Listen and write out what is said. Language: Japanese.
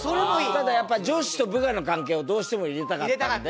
ただやっぱ上司と部下の関係をどうしても入れたかったんで。